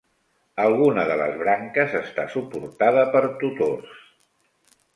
Alguna de les branques està suportada per tutors.